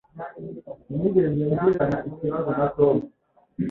Sinigeze ngirana ikibazo na Tom.